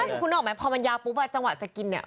คือคุณนึกออกไหมพอมันยาวปุ๊บจังหวะจะกินเนี่ย